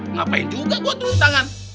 ngapain juga gua tuh tangan